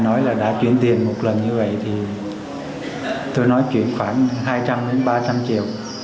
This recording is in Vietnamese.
nói là đã chuyển tiền một lần như vậy thì tôi nói chuyển khoảng hai trăm linh đến ba trăm linh triệu